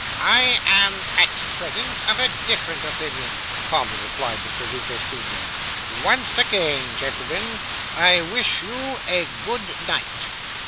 'I am at present of a different opinion,' calmly replied Mr. Winkle, senior. 'Once again, gentlemen, I wish you a good night.